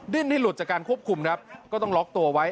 หลุดจากการควบคุมครับก็ต้องล็อกตัวไว้